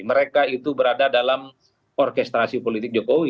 mereka itu berada dalam orkestrasi politik jokowi